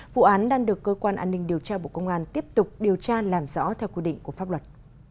vụ án đang được cơ quan an ninh điều tra bộ công an tiếp tục điều tra làm rõ theo quy định của pháp luật